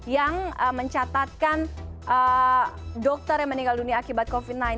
yang mencatatkan dokter yang meninggal dunia akibat covid sembilan belas